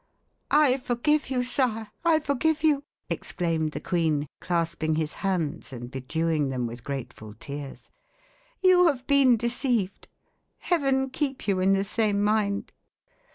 "I forgive you, sire I forgive you!" exclaimed the queen, clasping his hands, and bedewing them with grateful tears. "You have been deceived. Heaven keep you in the same mind!"